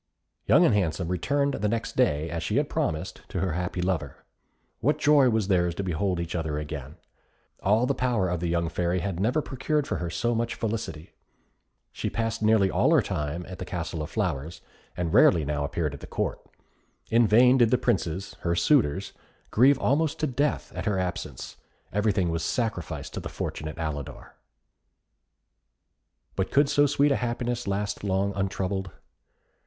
Young and Handsome returned the next day, as she had promised, to her happy lover. What joy was theirs to behold each other again! All the power of the young Fairy had never procured for her so much felicity. She passed nearly all her time at the Castle of Flowers, and rarely now appeared at Court. In vain did the princes, her suitors, grieve almost to death at her absence, everything was sacrificed to the fortunate Alidor. But could so sweet a happiness last long untroubled?